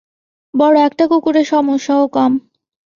বড় একটা কুকুরের সমস্যা ও কম।